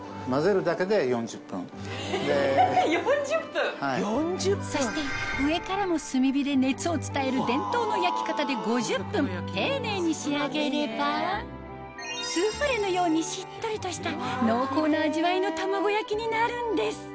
え４０分⁉そして上からも炭火で熱を伝える丁寧に仕上げればスフレのようにしっとりとした濃厚な味わいの玉子焼きになるんです